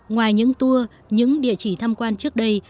ngoài những tour những địa chỉ tham quan trước đây